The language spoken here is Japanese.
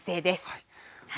はい。